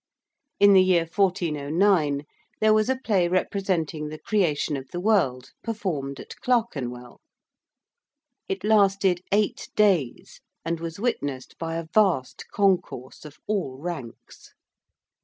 In the year 1409 there was a play representing the Creation of the World performed at Clerkenwell. It lasted eight days, and was witnessed by a vast concourse of all ranks.